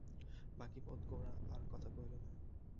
বাকি পথ গোরা আর কোনো কথা কহিল না।